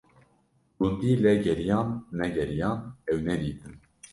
Gundî lê geriyan negeriyan, ew nedîtin.